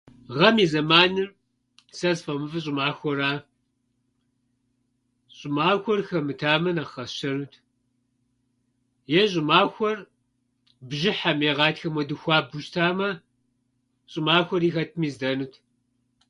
Гъэм и зэманым сэ сфӏэмыфӏыр щӏымахуэра. Щӏымахуэр хэмытамэ, нэхъ къэсщтэнут е щӏымахуэр бжьыхьэм е гъатхэм хуэдэу хуабэу щытамэ, щӏымахуэри хэтми здэнут.